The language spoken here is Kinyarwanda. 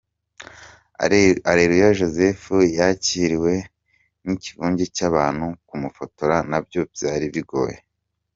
Areruya Joseph yakiriwe n’Ikivunge cy’abantu, kumufotora na byo byari bigoye